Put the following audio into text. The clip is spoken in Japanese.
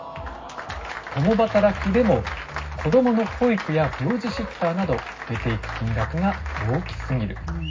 共働きでも子どもの保育や病児シッターなど、出ていく金額が大きすぎる。